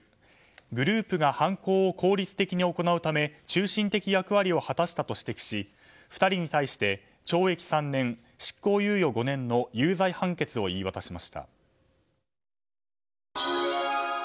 グループが犯行を効率的に行うため中心的役割を果たしたと指摘し２人に対して懲役３年執行猶予５年の有罪判決を言い渡しました。